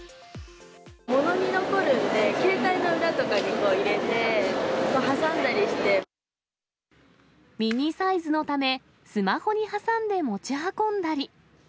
物に残るんで、携帯の裏とかミニサイズのため、スマホに挟んで持ち運んだり。